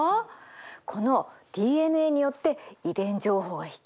このＤＮＡによって遺伝情報は引き継がれてくのよ。